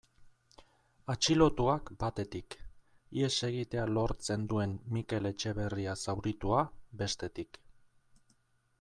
Atxilotuak, batetik, ihes egitea lortzen duen Mikel Etxeberria zauritua, bestetik.